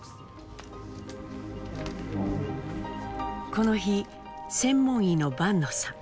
この日専門医の坂野さん